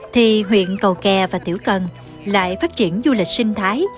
thì huyện cầu kè và tiểu cần lại phát triển du lịch sinh thái